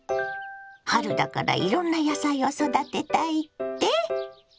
春だからいろんな野菜を育てたいって？